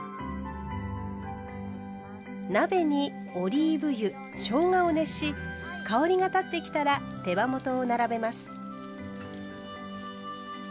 鍋にオリーブ油しょうがを熱し香りが立ってきたら手羽元を並べます。